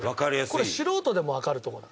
これ、素人でもわかると思うな。